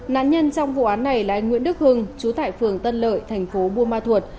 nạn nhân trong vụ án này là anh nguyễn đức hưng chú tại phường tân lợi thành phố buôn ma thuột